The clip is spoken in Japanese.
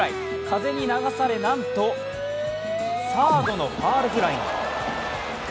風に流され、なんとサードのファウルフライに。